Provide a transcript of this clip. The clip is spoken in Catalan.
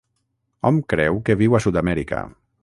Hom creu que viu a Sud-amèrica.